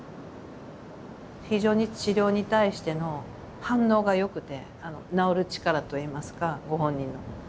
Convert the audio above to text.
非常に治療に対しての反応がよくて治る力といいますかご本人の。